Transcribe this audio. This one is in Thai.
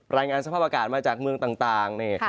รายงานสภาพอากาศมาจากเมืองต่าง